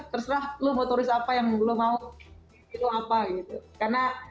terserah lo motoris apa yang belum mau itu apa gitu karena